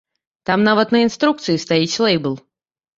Там нават на інструкцыі стаіць лэйбл.